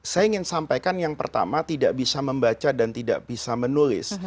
saya ingin sampaikan yang pertama tidak bisa membaca dan tidak bisa menulis